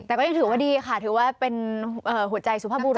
แต่ก็ยังถือว่าดีค่ะถือว่าเป็นหัวใจสุภาพบุร